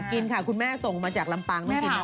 กินค่ะกินค่ะคุณแม่ส่งมาจากลำปังต้องกินนะครับ